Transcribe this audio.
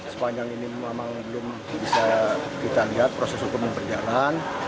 sepanjang ini memang belum bisa kita lihat proses hukum yang berjalan